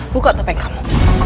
buka topeng kamu